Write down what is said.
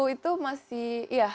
sepuluh itu masih iya